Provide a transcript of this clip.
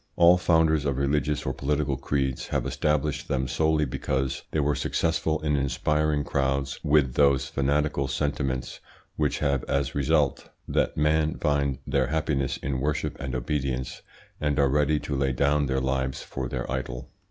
All founders of religious or political creeds have established them solely because they were successful in inspiring crowds with those fanatical sentiments which have as result that men find their happiness in worship and obedience and are ready to lay down their lives for their idol.